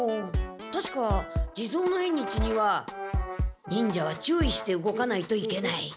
たしか地蔵の縁日には忍者は注意して動かないといけない。